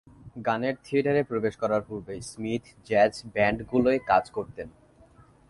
গানের থিয়েটারে প্রবেশ করার পূর্বে, স্মিথ জ্যাজ ব্যান্ড গুলোয় কাজ করতেন।